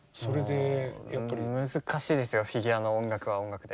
もう難しいですよフィギュアの音楽は音楽で。